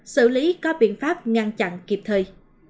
xử lý có biện pháp ngăn chặn kịp thời